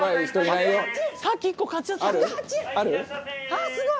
ああすごい！